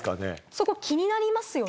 そこ気になりますよね。